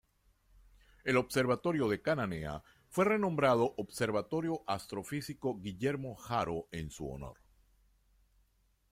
El observatorio de Cananea fue renombrado Observatorio Astrofísico Guillermo Haro en su honor.